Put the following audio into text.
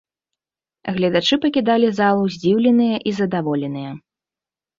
Гледачы пакідалі залу здзіўленыя і задаволеныя.